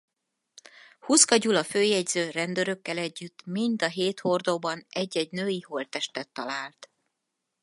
Huszka Gyula főjegyző rendőrökkel együtt mind a hét hordóban egy-egy női holttestet talált.